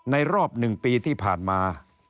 ในรอบหนึ่งปีที่ผ่านมา